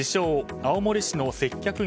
青森市の接客業